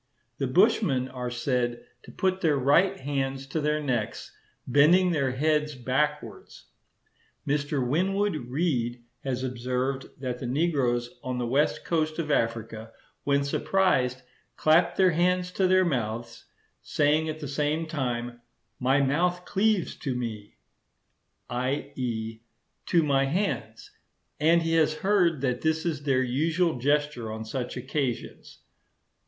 The Bushmen are said to put their right hands to their necks, bending their heads backwards. Mr. Winwood Reade has observed that the negroes on the West Coast of Africa, when surprised, clap their hands to their mouths, saying at the same time, "My mouth cleaves to me," i. e. to my hands; and he has heard that this is their usual gesture on such occasions.